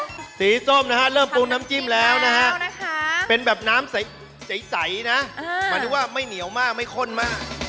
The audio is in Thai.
สีส้มนะฮะเริ่มปูนน้ำจิ้มแล้วนะฮะเป็นแบบน้ำใสนะหมายถึงว่าไม่เหนียวมากไม่ข้นมาก